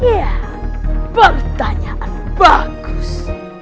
ya pertanyaan bagus